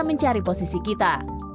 mencari posisi kita